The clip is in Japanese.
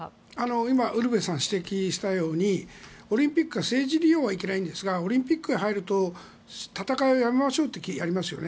今、ウルヴェさんが指摘したようにオリンピックを政治利用はいけないんですがオリンピックが入ると戦いはやめましょうとやりますよね。